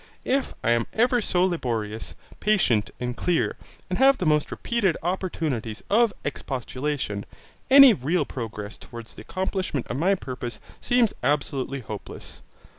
If I am ever so laborious, patient, and clear, and have the most repeated opportunities of expostulation, any real progress toward the accomplishment of my purpose seems absolutely hopeless.